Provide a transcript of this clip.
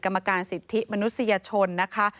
กรรมการสิทธิมนุษยชนนะคะ